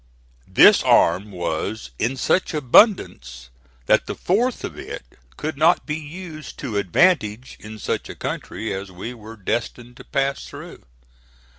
This arm was in such abundance that the fourth of it could not be used to advantage in such a country as we were destined to pass through.